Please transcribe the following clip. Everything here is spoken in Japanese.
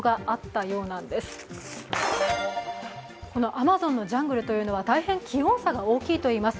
アマゾンのジャングルというのは大変、気温差が大きいといいます。